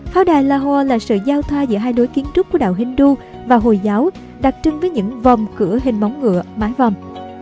pháo đài lahore là sự giao thoa giữa hai đối kiến trúc của đạo hindu và hồi giáo đặc trưng với những vòm cửa hình móng ngựa mái vòm